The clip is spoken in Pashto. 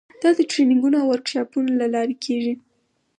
دا د ټریننګونو او ورکشاپونو له لارې کیږي.